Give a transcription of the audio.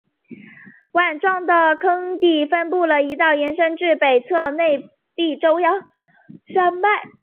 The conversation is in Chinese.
碗状的坑底分布了一道延伸至北侧内壁中央山脉。